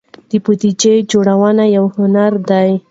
د بودیجې جوړونه یو هنر دی.